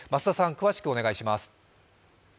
詳しくお願いします。